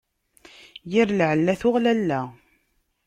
Yir lɛella tuɣ lalla.